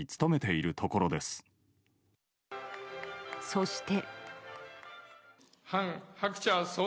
そして。